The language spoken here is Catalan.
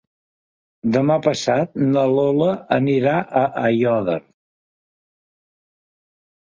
Demà passat na Lola irà a Aiòder.